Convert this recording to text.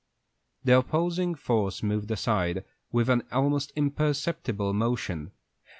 ] The opposing force moved aside with an almost imperceptible motion.